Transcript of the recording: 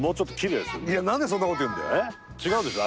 いや何でそんなこと言うんだよ。